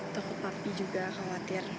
tukut papi juga khawatir